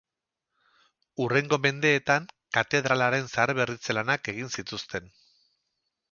Hurrengo mendeetan katedralaren zaharberritze lanak egin zituzten.